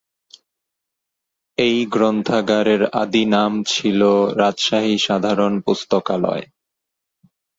এই গ্রন্থাগারের আদি নাম ছিলো রাজশাহী সাধারণ পুস্তকালয়।